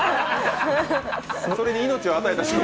それに命を与えた瞬間？